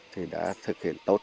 thì đã thực hiện tốt